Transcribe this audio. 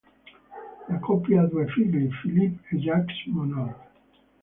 La coppia ha due figli, Philippe e Jaques Monod.